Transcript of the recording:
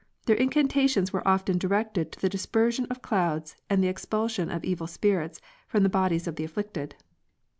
Their in cantations were often directed to the dispersion of clouds and the expulsion of evil spirits from the bodies of the afflicted.